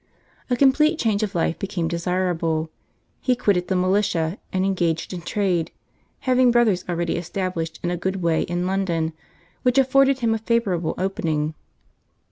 A complete change of life became desirable. He quitted the militia and engaged in trade, having brothers already established in a good way in London, which afforded him a favourable opening.